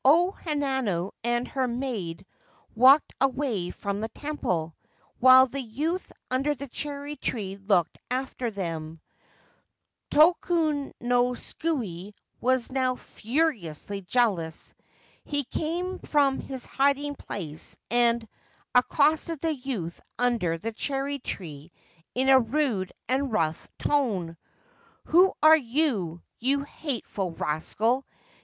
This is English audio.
O Hanano and her maid walked away from the temple, while the youth under the cherry tree looked after them. Tokunosuke was now furiously jealous. He came from his hiding place, and accosted the youth under the cherry tree in a rude and rough tone. ' Who are you, you hateful rascal